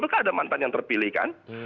itu kan ada mantan yang terpilih kan